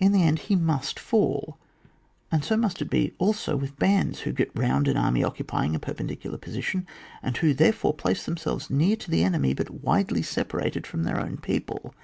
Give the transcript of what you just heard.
In tlie end he must fall ; and bo must it also be with bands who get round an army occupying a perpendicular position, and who there fore place themselves near to the enemy, but widely separated from their own peo ple.